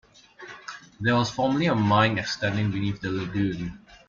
There was formerly a mine extending beneath the lagoon.